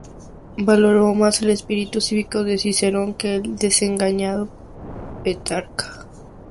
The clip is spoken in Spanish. Valoró más el espíritu cívico de Cicerón que el desengañado Petrarca.